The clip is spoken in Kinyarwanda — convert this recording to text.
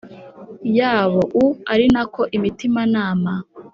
Yabo u ari na ko imitimanama